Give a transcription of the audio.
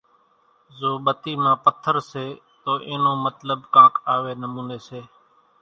زو ٻتي مان پٿر سي تو اين نو مطلٻ ڪانڪ آوي نموني سي،